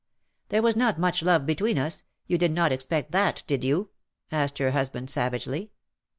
'''^ There was not much love between us. You did not expect that, did you ?" asked her husband savagely.